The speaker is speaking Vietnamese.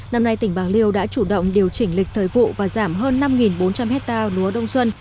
năm nay tỉnh bạc liêu đã chủ động điều chỉnh lịch thời vụ và giảm hơn năm bốn trăm linh hectare lúa đông xuân